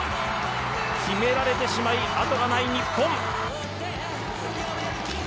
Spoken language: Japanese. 決められてしまいあとがない日本。